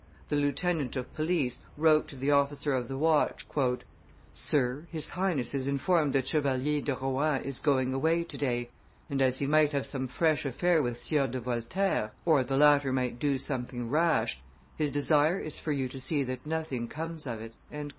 The lieutenant of police wrote to the officer of the watch, "Sir, his Highness is informed that Chevalier de Rohan is going away to day, and, as he might have some fresh affair with Sieur de Voltaire, or the latter might do something rash, his desire is for you to see that nothing comes of it."